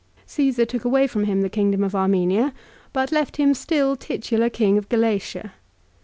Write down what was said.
Caesar took away from him the kingdom of Armenia, but left him still titular King of Galatia.